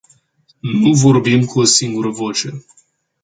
Nu vorbim cu o singură voce.